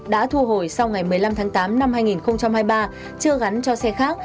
đã thu hồi sau ngày một mươi năm tháng tám năm hai nghìn hai mươi ba chưa gắn cho xe khác